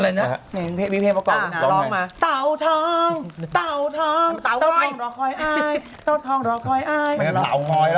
มันมาเต่างอยล่ะ